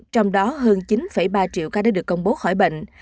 trong đó hơn chín ba triệu ca đã được công bố khỏi bệnh